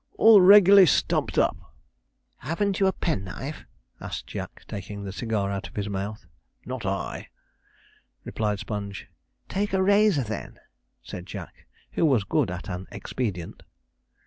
all reg'larly stumped up.' 'Haven't you a penknife?' asked Jack, taking the cigar out of his mouth. 'Not I,' replied Sponge. 'Take a razor, then,' said Jack, who was good at an expedient.